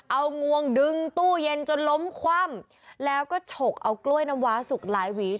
เอางวงดึงตู้เย็นจนล้มคว่ำแล้วก็ฉกเอากล้วยน้ำว้าสุกหลายหวี